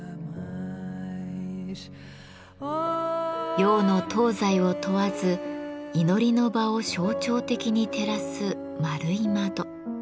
洋の東西を問わず祈りの場を象徴的に照らす円い窓。